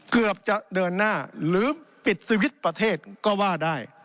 เกือบจะเดินหน้าหรือปิดสวิตช์ประเทศก็ว่าได้